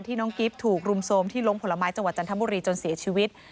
น้องกิ๊บถูกรุมโทรมที่ลงผลไม้จังหวัดจันทบุรีจนเสียชีวิต